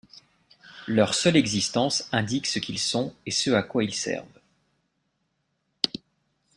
Leur seule existence indique ce qu'ils sont et ce à quoi ils servent.